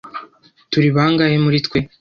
Turi bangahe muri twe?